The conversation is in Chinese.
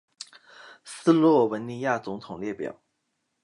斯洛文尼亚总统列表